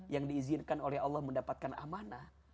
yang diizinkan oleh allah mendapatkan amanah